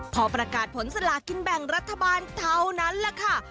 พอประกาศผลสลากินแบ่งรัฐบาลเท่านั้นแหละค่ะ